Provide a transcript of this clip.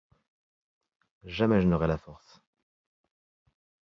Jamais je n'aurais la force.